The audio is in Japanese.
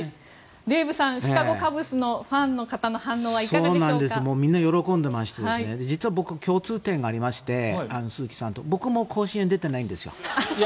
デーブさんシカゴ・カブスのファンの方のみんな喜んでまして実は、僕、鈴木さんと共通点がありまして僕も甲子園出てないんですよ。